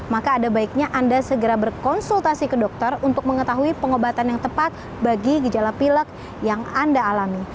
maka ada baiknya anda segera berkonsultasi ke dokter untuk mengetahui pengobatan yang tepat bagi gejala pilek yang anda alami